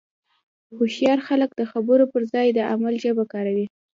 هوښیار خلک د خبرو پر ځای د عمل ژبه کاروي.